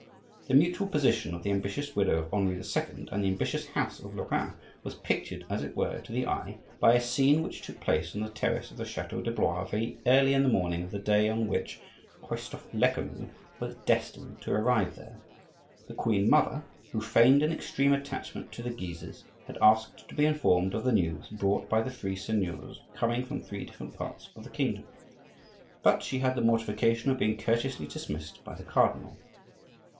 The mutual position of the ambitious widow of Henri II. and the ambitious house of Lorraine was pictured, as it were, to the eye by a scene which took place on the terrace of the chateau de Blois very early in the morning of the day on which Christophe Lecamus was destined to arrive there. The queen mother, who feigned an extreme attachment to the Guises, had asked to be informed of the news brought by the three seigneurs coming from three different parts of the kingdom; but she had the mortification of being courteously dismissed by the cardinal.